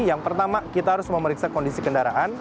yang pertama kita harus memeriksa kondisi kendaraan